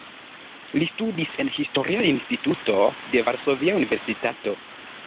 Li studis en Historia Instituto de Varsovia Universitato.